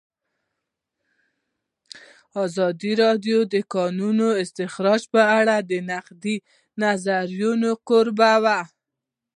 ازادي راډیو د د کانونو استخراج په اړه د نقدي نظرونو کوربه وه.